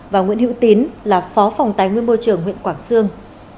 và nguyễn hữu tín là phó phòng tài nguyên môi trường huyện quảng sương